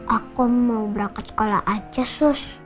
aku mau berangkat sekolah aja susah